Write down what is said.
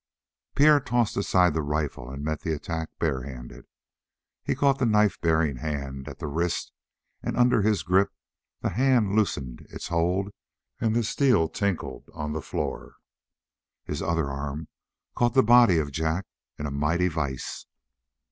Pierre tossed aside the rifle and met the attack barehanded. He caught the knife bearing hand at the wrist and under his grip the hand loosened its hold and the steel tinkled on the floor. His other arm caught the body of Jack in a mighty vise.